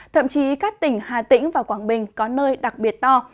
thậm chí các tỉnh hà tĩnh và quảng bình có nơi đặc biệt to